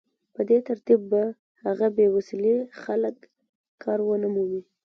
په دې ترتیب به هغه بې وسيلې خلک کار ونه مومي